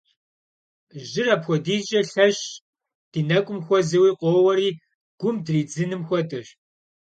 Жьыр апхуэдизкӏэ лъэщщ, ди нэкӏум хуэзэуи къоуэри гум дыридзыным хуэдэщ.